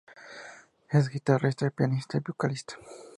Es guitarrista, pianista y vocalista.